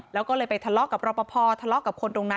แล้วก็เลยไปทะเลาะกับรอปภทะเลาะกับคนตรงนั้น